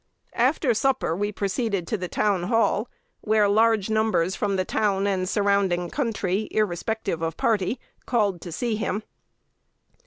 After supper he proceeded to the Town Hall, where large numbers from the town and surrounding country, irrespective of party, called to see him.